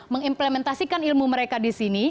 mengimplementasikan ilmu mereka di sini